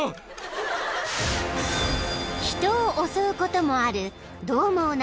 ［人を襲うこともあるどう猛な］